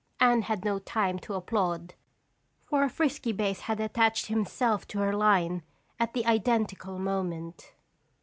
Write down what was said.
Anne had no time to applaud for a frisky bass had attached himself to her line at the identical moment.